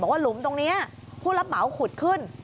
หลุมตรงนี้ผู้รับเหมาขุดขึ้น